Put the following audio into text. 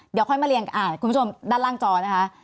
เดี๋ยวค่อยมาเรียงคุณผู้ชมด้านล่างจอนะคะ